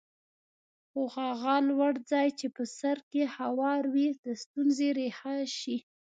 خو هغه لوړ ځای چې په سر کې هوار وي د ستونزې ریښه شي.